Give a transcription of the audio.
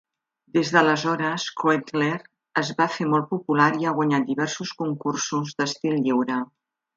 Des d'aleshores, Koehler es va fer molt popular i ha guanyat diversos concursos d'estil lliure.